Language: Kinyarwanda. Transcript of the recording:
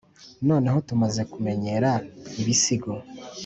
noneho tumaze kumenyera ibisigo: